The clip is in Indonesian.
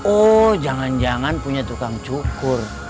oh jangan jangan punya tukang cukur